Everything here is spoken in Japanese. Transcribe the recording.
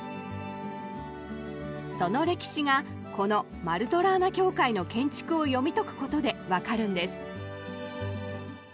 その歴史がこのマルトラーナ教会の建築を読み解くことで分かるんです。